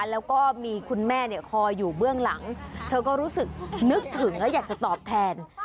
แล้วก็มีคุณแม่เนี่ยคอยอยู่เบื้องหลังเธอก็รู้สึกนึกถึงแล้วอยากจะตอบแทน